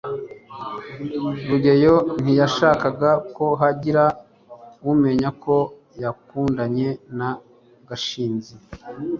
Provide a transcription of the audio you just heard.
rugeyo ntiyashakaga ko hagira umenya ko yakundanye na gashinzi